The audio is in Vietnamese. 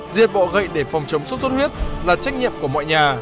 sốt xuất huyết là trách nhiệm của mọi nhà